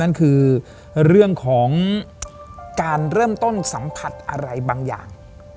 นั่นคือเรื่องของการเริ่มต้นสัมผัสอะไรบางอย่าง